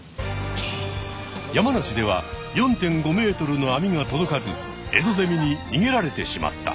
山梨では４．５ｍの網が届かずエゾゼミににげられてしまった。